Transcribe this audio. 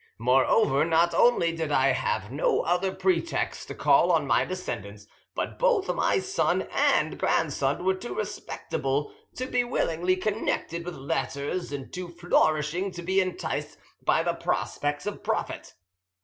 Moreover, not only did I have no other pretext to call on my descendants, but both my son and grandson were too respectable to be willingly connected with letters and too flourishing to be enticed by the prospects of profit.